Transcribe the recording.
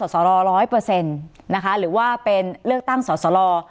สอรรร้อยเปอร์เซ็นต์นะคะหรือว่าเป็นเลือกตั้งสอรรรล่อ